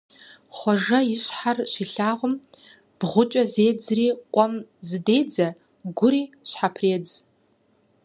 Хъуэжэ и щхьэр щилъагъум, бгъукӀэ зедзри къуэм зыдедзэ, гури щхьэпредз.